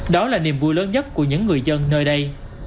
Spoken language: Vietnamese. đó là niềm vui lớn nhất của những người dân nơi đây